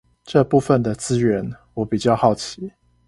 這部分的資源我比較好奇